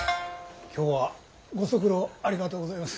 今日はご足労ありがとうございます。